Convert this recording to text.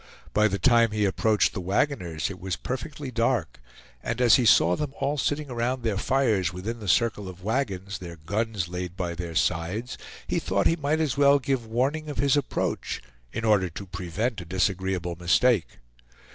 By the time he approached the wagoners it was perfectly dark; and as he saw them all sitting around their fires within the circle of wagons, their guns laid by their sides, he thought he might as well give warning of his approach, in order to prevent a disagreeable mistake.